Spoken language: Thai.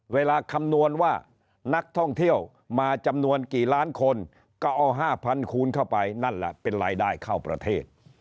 คำนวณว่านักท่องเที่ยวมาจำนวนกี่ล้านคนก็เอา๕๐๐คูณเข้าไปนั่นแหละเป็นรายได้เข้าประเทศ